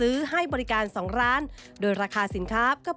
เป็นอย่างไรนั้นติดตามจากรายงานของคุณอัญชาฬีฟรีมั่วครับ